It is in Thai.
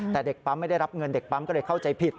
แต่เด็กปั๊มไม่ได้รับเงินเด็กปั๊มก็เลยเข้าใจผิด